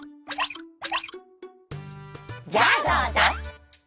「じゃあどうぞ」。